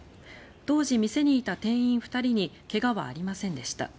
当時、店にいた店員２人に怪我はありませんでした。